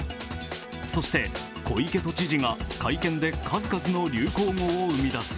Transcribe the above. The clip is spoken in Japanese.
そして、小池都知事が会見で数々の流行語を生み出す。